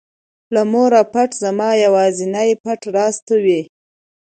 له موره پټ زما یوازینى پټ راز ته وې.